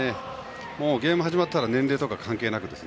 ゲーム始まったら年齢とか関係なく。